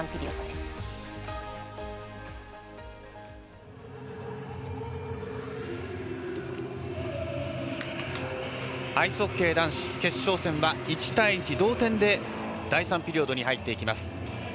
アイスホッケー男子決勝戦は１対１、同点で第３ピリオドに入っていきます。